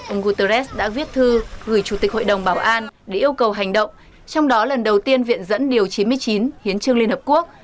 ông guterres đã viết thư gửi chủ tịch hội đồng bảo an để yêu cầu hành động trong đó lần đầu tiên viện dẫn điều chín mươi chín hiến trương liên hợp quốc